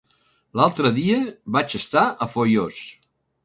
L'altre dia vaig estar a Foios.